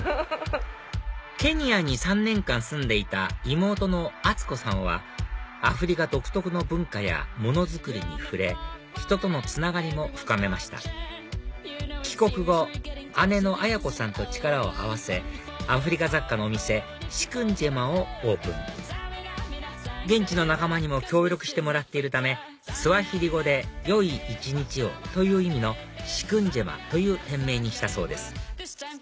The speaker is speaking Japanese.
ケニアに３年間住んでいた妹の淳子さんはアフリカ独特の文化やもの作りに触れ人とのつながりも深めました帰国後姉の彩子さんと力を合わせアフリカ雑貨のお店ＳＩＫＵＮＪＥＭＡをオープン現地の仲間にも協力してもらっているためスワヒリ語で「よい一日を」という意味のＳＩＫＵＮＪＥＭＡという店名にしたそうです